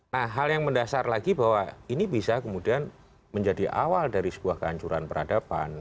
nah hal yang mendasar lagi bahwa ini bisa kemudian menjadi awal dari sebuah kehancuran peradaban